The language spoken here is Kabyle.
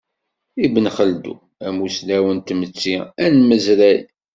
Ibn Xeldun; amusnaw n tmetti anmezray.